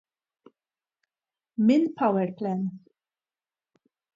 Minn PowerPlan.